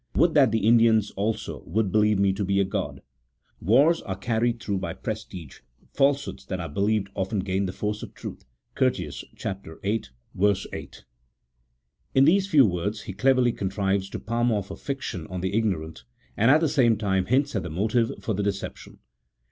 Would that the Indians also would be lieve me to be a god ! Wars are carried through by pres tige, falsehoods that are believed often gain the force of truth." (Curtius, viii. § 8.) In these few words he cleverly contrives to palm off a fiction on the ignorant, and at the same time hints at the motive for the deception.